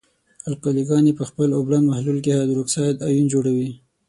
القلې ګاني په خپل اوبلن محلول کې هایدروکساید آیون جوړوي.